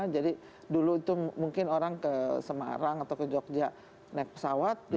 jadi dulu itu mungkin orang ke semarang atau ke jogja naik pesawat